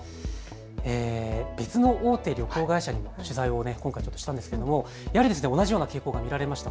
別の大手旅行会社に取材をしたんですけれどもやはり同じような傾向が見られました。